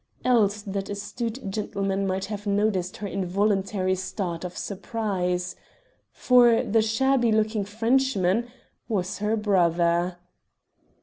Else that astute gentleman might have noticed her involuntary start of surprise. For the shabby looking Frenchman was her brother.